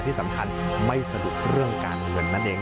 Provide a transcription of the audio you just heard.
ที่สำคัญไม่สะดวกเรื่องการเงินนั่นเอง